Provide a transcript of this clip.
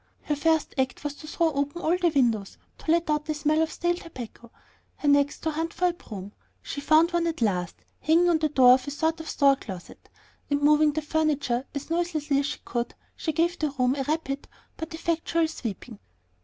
Her first act was to throw open all the windows to let out the smell of stale tobacco, her next to hunt for a broom. She found one at last, hanging on the door of a sort of store closet, and moving the furniture as noiselessly as she could, she gave the room a rapid but effectual sweeping.